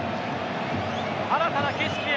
新たな景色へ。